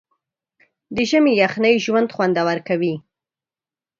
د ژمي یخنۍ ژوند خوندور کوي.